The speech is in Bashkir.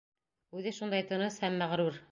Үҙе шундай тыныс һәм мәғрүр!